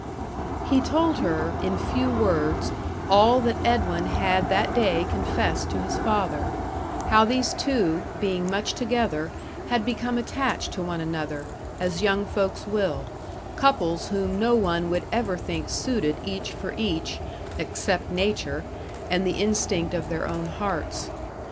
He told her, in few words, all that Edwin had that day confessed to his father; how these two, being much together, had become attached to one another, as young folks will couples whom no one would ever think suited each for each, except Nature, and the instinct of their own hearts.